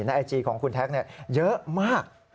ไอจีของคุณแท็กเยอะมาก